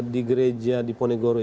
di gereja di ponegoro